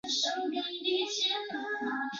掌状叉蕨为叉蕨科叉蕨属下的一个种。